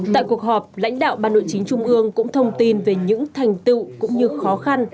tại cuộc họp lãnh đạo ban nội chính trung ương cũng thông tin về những thành tựu cũng như khó khăn